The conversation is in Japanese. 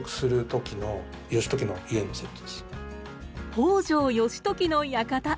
北条義時の館！